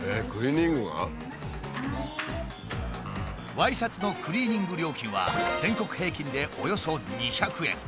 ワイシャツのクリーニング料金は全国平均でおよそ２００円。